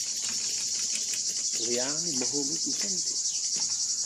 Liány mohou mít úponky.